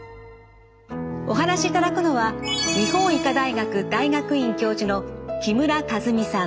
お話しいただくのは日本医科大学大学院教授の木村和美さん。